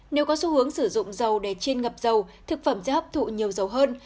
nếu có xu hướng sử dụng dầu để chiên ngập dầu thực phẩm sẽ hấp thụ nhiều dầu hơn